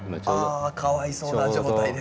ああかわいそうな状態です。